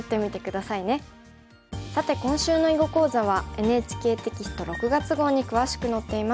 さて今週の囲碁講座はＮＨＫテキスト６月号に詳しく載っています。